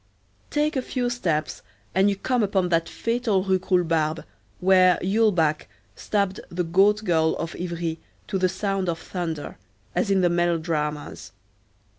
Take a few steps, and you come upon that fatal Rue Croulebarbe, where Ulbach stabbed the goat girl of Ivry to the sound of thunder, as in the melodramas.